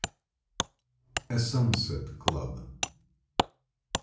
A SUNSET CLUB.